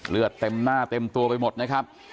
เลือดเต็มหน้าเต็มตัวไปหมดนะครับ